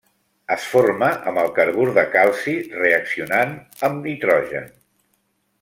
Es forma amb el carbur de calci reaccionat amb nitrogen.